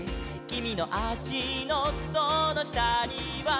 「きみのあしのそのしたには」